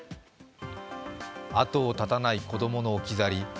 後を絶たない子供の置き去り。